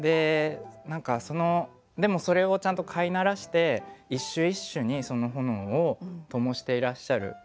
何かそのでもそれをちゃんと飼い慣らして一首一首にその炎をともしていらっしゃる。